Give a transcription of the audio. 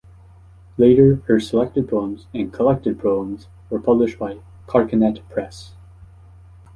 Later her "Selected Poems" and "Collected Poems" were published by Carcanet Press.